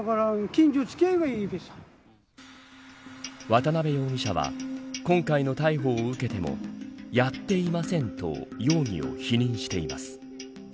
渡部容疑者は今回の逮捕を受けてもやっていませんと容疑を否認しています。